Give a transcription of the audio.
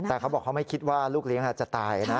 แต่เขาบอกเขาไม่คิดว่าลูกเลี้ยงจะตายนะ